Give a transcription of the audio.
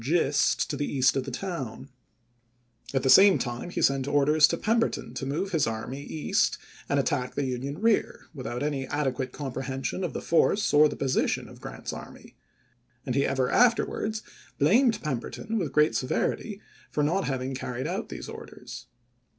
Gist to the east of the town ; at the same time he sent orders to Pemberton to move his army east and attack the Union rear, without any adequate comprehension of the force or the position of Grant's army ; and he ever afterwards blamed Pem berton with great severity for not having carried out these orders.